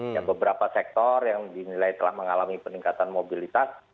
ya beberapa sektor yang dinilai telah mengalami peningkatan mobilitas